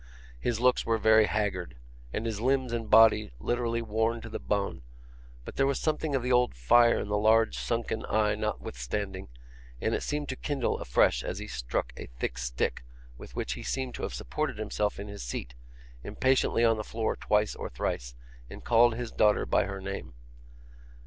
His looks were very haggard, and his limbs and body literally worn to the bone, but there was something of the old fire in the large sunken eye notwithstanding, and it seemed to kindle afresh as he struck a thick stick, with which he seemed to have supported himself in his seat, impatiently on the floor twice or thrice, and called his daughter by her name.